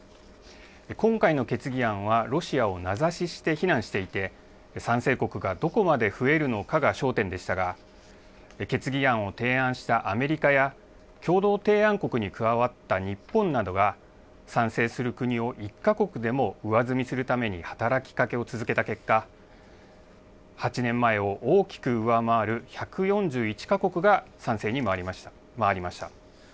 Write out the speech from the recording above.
今回の決議案は、ロシアを名指しして非難していて、賛成国がどこまで増えるのかが焦点でしたが、決議案を提案したアメリカや、共同提案国に加わった日本などが、賛成する国を１か国でも上積みするために働きかけを続けた結果、８年前を大きく上回る１４１か国が賛成に回りました。